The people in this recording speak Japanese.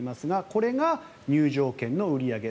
これが入場券の売り上げ